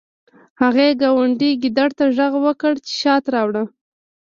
هغې ګاونډي ګیدړ ته غږ وکړ چې شات راوړي